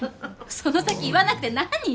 その先言わなくて何？